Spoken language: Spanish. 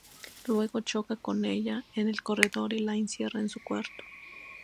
Luego choca con ella en el corredor y la encierra en su cuarto.